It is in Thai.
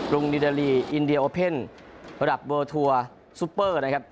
รุงนิดาลีอินเดียโอเพ่นระดับเบอร์ทัวร์ซุปเปอร์นะครับ